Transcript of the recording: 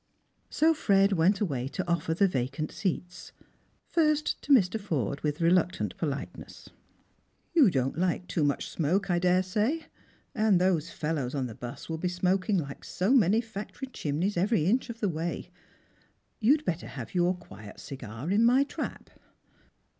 So Fred went away to offer the vacant seats ; first to Mr. Ford», with reluctant politeness. "You don't like too much smoke, I daresay, and those fellows on the 'bus will be smoking like so many factory chimneys every inch of the way. You'd better have your quiet cigar in my trap."